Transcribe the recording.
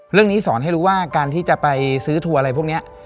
เรื่องนี้สอนให้รู้ว่าการที่จะไปซื้อทัวร์อะไรพวกนี้